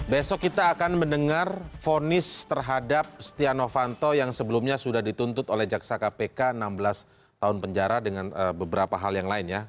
besok kita akan mendengar fonis terhadap setia novanto yang sebelumnya sudah dituntut oleh jaksa kpk enam belas tahun penjara dengan beberapa hal yang lain ya